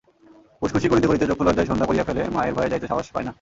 উসখুসি করিতে করিতে চক্ষুলজ্জায় সন্ধ্যা করিয়া ফেলে, মায়ের ভয়ে যাইতে সাহস পায় না।